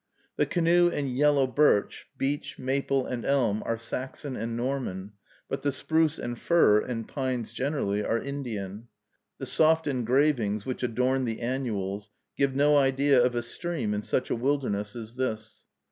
The canoe and yellow birch, beech, maple, and elm are Saxon and Norman, but the spruce and fir, and pines generally, are Indian. The soft engravings which adorn the annuals give no idea of a stream in such a wilderness as this.